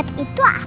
kita iri eh